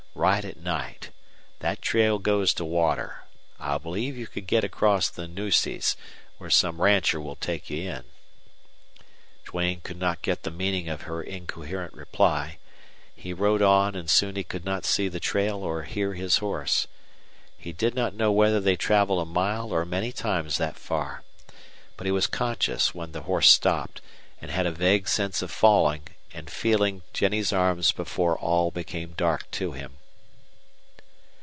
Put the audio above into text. Ride at night. That trail goes to water. I believe you could get across the Nueces, where some rancher will take you in." Duane could not get the meaning of her incoherent reply. He rode on, and soon he could not see the trail or hear his horse. He did not know whether they traveled a mile or many times that far. But he was conscious when the horse stopped, and had a vague sense of falling and feeling Jennie's arms before all became dark to him.